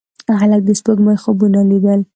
هلک د سپوږمۍ خوبونه لیدل.